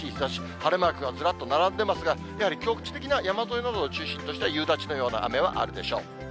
晴れマークがずらっと並んでますが、やはり局地的な山沿いなどを中心とした夕立のような雨はあるでしょう。